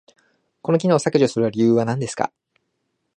この機能を削除する理由は何ですか？